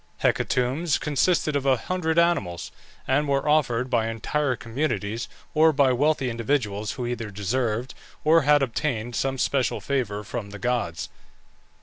Hecatombs consisted of a hundred animals, and were offered by entire communities, or by wealthy individuals who either desired, or had obtained some special favour from the gods.